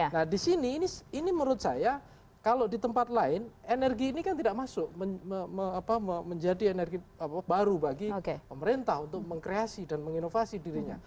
nah di sini ini menurut saya kalau di tempat lain energi ini kan tidak masuk menjadi energi baru bagi pemerintah untuk mengkreasi dan menginovasi dirinya